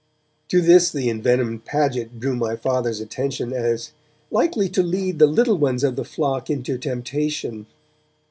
To this the envenomed Paget drew my Father's attention as 'likely to lead "the little ones of the flock" into temptation'.